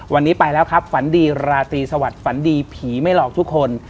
วันนี้ไปแล้วครับฝันดีราตรีสวัสดิฝันดีผีไม่หลอกทุกคน